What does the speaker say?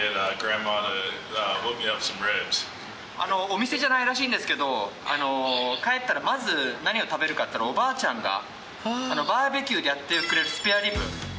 お店じゃないらしいんですけど、帰ったらまず何を食べるかっていったら、おばあちゃんがバーベキューで焼いてくれるスペアリブ。